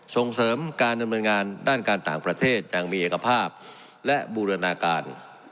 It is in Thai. ส่งเสริมการดำเนินงานด้านการต่างประเทศอย่างมีเอกภาพและบูรณาการ